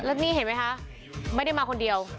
แล้วนี่เห็นไหมคะไม่ได้มาคนเดียว